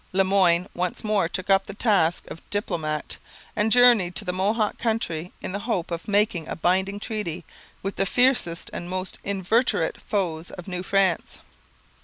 Le Moyne once more took up the task of diplomat and journeyed to the Mohawk country in the hope of making a binding treaty with the fiercest and most inveterate foes of New France.